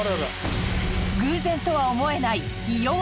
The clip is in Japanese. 偶然とは思えない。